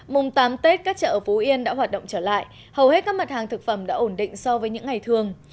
mùng tám tết các chợ ở phú yên đã hoạt động trở lại hầu hết các mặt hàng thực phẩm đã ổn định so với những ngày thường